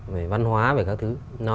về văn hoá về các thứ